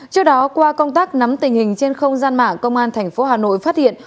trước đó qua công tác nắm tình hình trên không gian mạng công an tp hà nội phát hiện